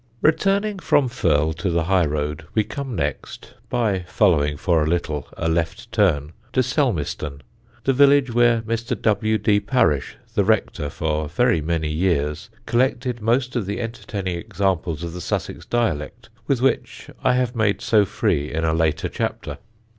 Returning from Firle to the high road, we come next, by following for a little a left turn, to Selmeston, the village where Mr. W. D. Parish, the rector for very many years, collected most of the entertaining examples of the Sussex dialect with which I have made so free in a later chapter.